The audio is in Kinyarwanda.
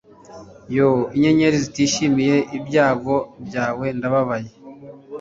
yoo, inyenyeri zitishimye! ibyago byawe ndababaye